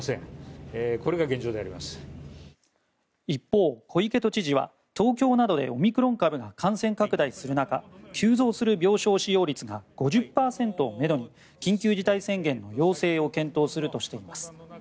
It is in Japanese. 一方、小池都知事は東京などでオミクロン株が感染拡大する中急増する病床使用率が５０％をめどに緊急事態宣言の要請を検討するとしています。